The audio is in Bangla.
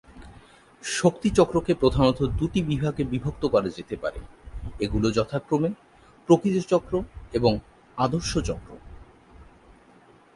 শক্তি চক্রকে প্রধানত দুটি বিভাগে বিভক্ত করা যেতে পারে: এগুলো যথাক্রমে প্রকৃত চক্র এবং আদর্শ চক্র।